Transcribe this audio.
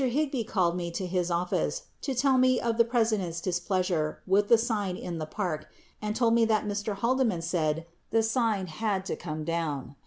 Higby called me to his office to tell me of the President's displeasure with the sign in the park and told me that Mr. Haldeman said the sign had to come down.